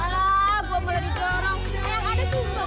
lu jangan didorong gua